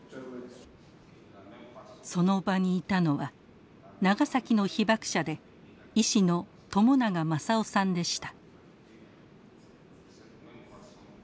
その場にいたのは長崎の被爆者で医師の朝長万左男さんでした。